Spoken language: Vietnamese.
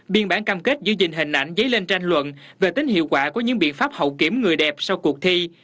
biên bản cam kết dư dình hình ảnh dấy lên tranh luận về tính hiệu quả của những biện pháp hậu kiểm người đẹp sau cuộc thi